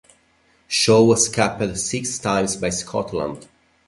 Shaw was capped six times by Scotland.